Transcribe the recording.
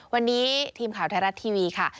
วันนี้ทีมข่าวไทยรัฐทีวีค่ะ